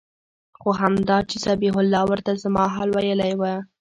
خو همدا چې ذبيح الله ورته زما حال ويلى و.